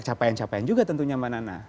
capaian capaian juga tentunya mbak nana